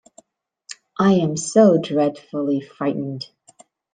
I am so dreadfully frightened.